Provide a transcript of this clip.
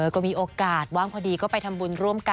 ก็มีโอกาสว่างพอดีก็ไปทำบุญร่วมกัน